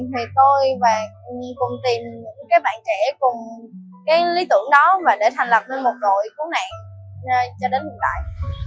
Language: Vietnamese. thì tôi và cùng tìm các bạn trẻ cùng cái lý tưởng đó để thành lập một đội cứu nạn cho đến hiện tại